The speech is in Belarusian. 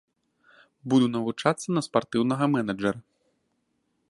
Буду навучацца на спартыўнага менеджэра.